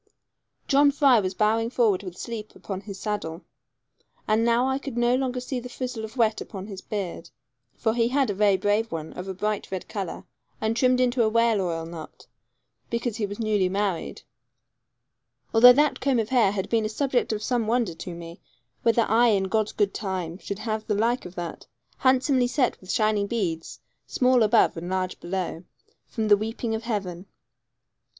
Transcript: John Fry was bowing forward with sleep upon his saddle, and now I could no longer see the frizzle of wet upon his beard for he had a very brave one, of a bright red colour, and trimmed into a whale oil knot, because he was newly married although that comb of hair had been a subject of some wonder to me, whether I, in God's good time, should have the like of that, handsomely set with shining beads, small above and large below, from the weeping of the heaven.